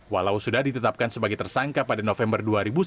walau sudah ditetapkan sebagai tersangka pada november dua ribu sembilan belas